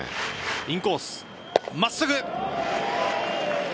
インコース真っすぐ。